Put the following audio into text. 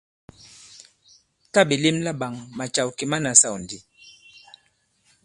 Tǎ ɓè lem laɓāŋ, màcàw kì ma nasâw ndi.